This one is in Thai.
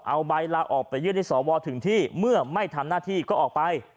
เอาใบลาออกไปยื่นให้สวถึงที่เมื่อไม่ทำหน้าที่ก็ออกไป